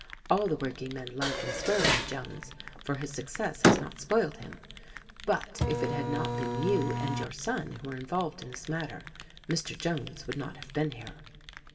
All the working men like and swear by Jones, for his success has not spoiled him; but if it had not been you and your son who are involved in this matter, Mr. Jones would not have been here."